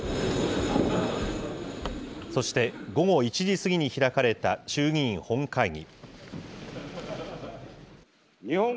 そして、午後１時過ぎに開かれた衆議院本会議。